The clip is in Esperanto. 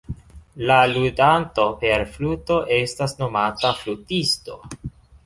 La ludanto per fluto estas nomata flutisto.